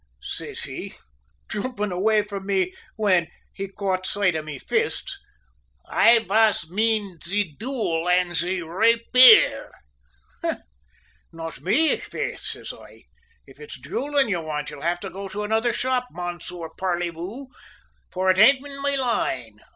sez he, joompin' away from me whin he caught soight o' me fists. "I was mean ze duel and ze rapiere." "Not me, faith," sez I. "If it's duellin' ye want you'll have to go to another shop, Monsieur Parleyvoo, for it ain't in my line.